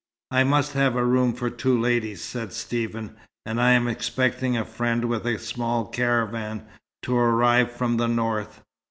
"I must have a room for two ladies," said Stephen, "and I am expecting a friend with a small caravan, to arrive from the north.